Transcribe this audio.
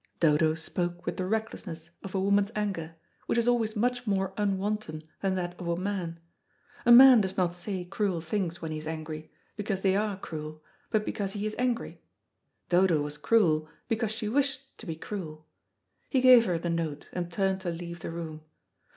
Dodo spoke with the recklessness of a woman's anger, which is always much more unwanton than that of a man. A man does not say cruel things when he is angry, because they are cruel, but because he is angry. Dodo was cruel because she wished to be cruel. He gave her the note, and turned to leave the room.